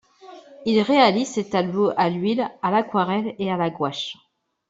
Il réalise ses tableaux à l'huile, à l'aquarelle et à la gouache.